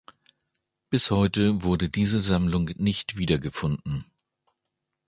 Bis heute wurde diese Sammlung nicht wiedergefunden.